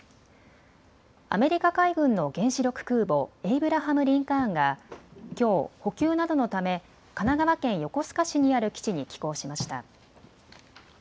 アメリカ海軍の原子力空母、エイブラハム・リンカーンがきょう、補給などのため神奈川県横須賀市にある基地に寄港しました。